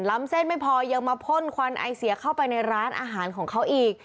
เส้นไม่พอยังมาพ่นควันไอเสียเข้าไปในร้านอาหารของเขาอีก